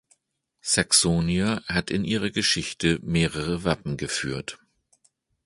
Saxonia hat in ihrer Geschichte mehrere Wappen geführt.